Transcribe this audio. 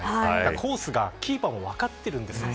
コースがキーパーも分かってるんですよね。